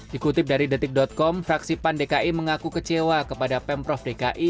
dikutip dari detik com fraksi pan dki mengaku kecewa kepada pemprov dki